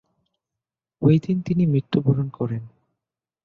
ওই দিন তিনি মৃত্যুবরণ করেন।